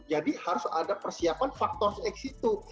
jadi harus ada persiapan faktor se ex itu